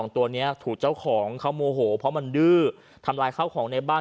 ตัวนี้ถูกเจ้าของเขาโมโหเพราะมันดื้อทำลายข้าวของในบ้าน